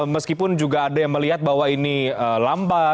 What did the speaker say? meskipun juga ada yang melihat bahwa ini lambat